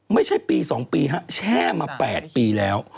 ไม่ใช่ปี๒ปีฮะแช่มา๘ปีแล้ว